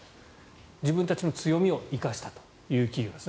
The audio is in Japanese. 自分たちの強みを生かしたという企業ですね。